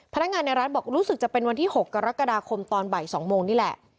พนักงานในร้านบอกรู้สึกจะเป็นวันที่๖กรกฎาคมตอนบ่าย๒โมงนี่แหละ